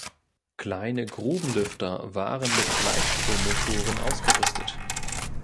Kleine Grubenlüfter waren mit Gleichstrommotoren ausgerüstet.